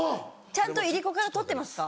ちゃんといりこから取ってますか？